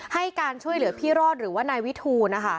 ให้การช่วยเหลือพี่รอดหรือว่านายวิทูลนะคะ